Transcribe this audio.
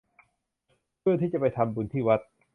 เพื่อที่จะไปทำบุญที่วัด